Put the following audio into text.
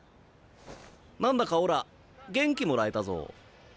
何だかオラ元気もらえたぞ。